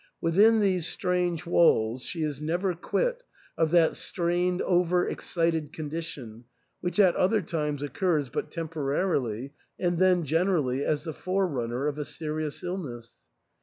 Within these strange walls she is never quit of that strained over excited condition, which at other times occurs but temporarily, and then generally as the forerunner of a serious illness.